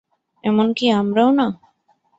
এমনকি আমরাও না?